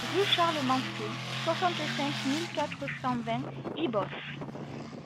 Rue Charles Manciet, soixante-cinq mille quatre cent vingt Ibos